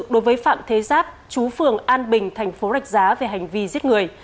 đối với phạm thế giáp chú phường an bình thành phố rạch giá về hành vi giết người